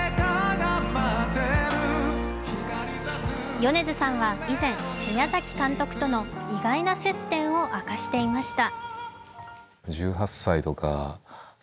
米津さんは以前、宮崎監督との意外な接点を明かしていました。